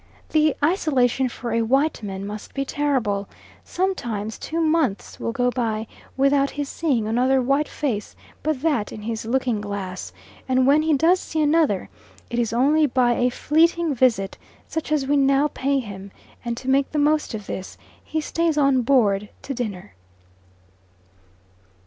The isolation for a white man must be terrible; sometimes two months will go by without his seeing another white face but that in his looking glass, and when he does see another, it is only by a fleeting visit such as we now pay him, and to make the most of this, he stays on board to dinner.